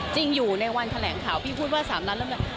จริงอยู่ในวันแถลงข่าวพี่พูดว่าสามล้านแล้วไม่ได้